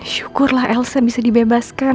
syukurlah elsa bisa dibebaskan